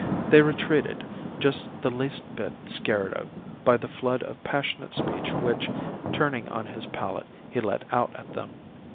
They retreated, just the least bit scared by the flood of passionate speech which, turning on his pallet, he let out at them.